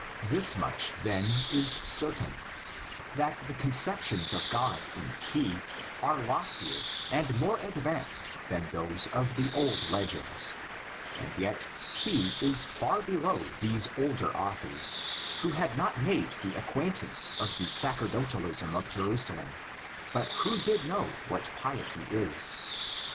This much, then, is certain, that the conceptions of God in P are loftier and more advanced than those of the old legends; and yet P is far below these older authors, who had not made the acquaint ance of the sacerdotalism of Jerusalem, but who did know what piety is.